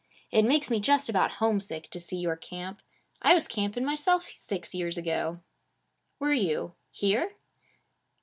'It makes me just about homesick to see your camp. I was camping myself six years ago.' 'Were you? Here?'